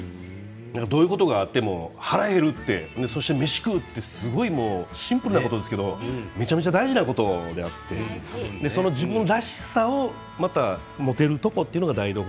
どういうことがあっても腹が減る、そして飯食うってシンプルなことですけどめちゃめちゃ大事なことであって自分らしさをまた持てるところが台所。